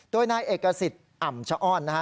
โดยนายเอกสิทธิ์อ่ำชะอ้อนนะฮะ